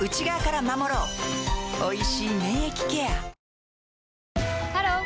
おいしい免疫ケアハロー！